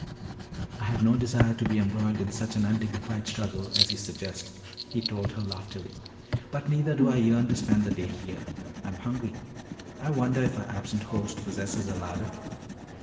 "I have no desire to be embroiled in such an undignified struggle as you suggest," he told her loftily. "But neither do I yearn to spend the day here. I'm hungry. I wonder if our absent host possesses a larder?"